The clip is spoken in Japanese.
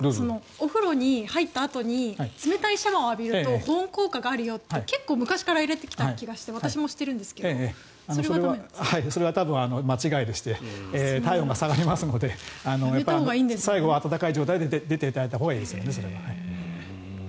お風呂に入ったあとに冷たいシャワーを浴びると保温効果があるよと結構昔から言われた気がして私もしてるんですがそれは間違いでして体温が下がりますので最後は温かい状態で出ていただいたほうがいいですね。